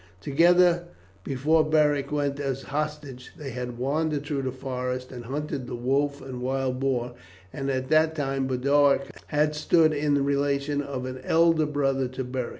Together, before Beric went as hostage, they had wandered through the forest and hunted the wolf and wild boar, and at that time Boduoc had stood in the relation of an elder brother to Beric.